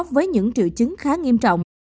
với những triệu chứng khá nghiêm trọng